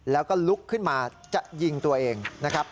แล้วก็ลุกขึ้นมาจะยิงตัวเองนะครับ